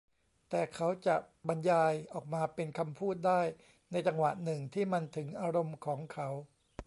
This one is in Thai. แต่เขาจะบรรยายออกมาเป็นคำพูดได้ในจังหวะหนึ่งที่มันถึงอารมณ์ของเขา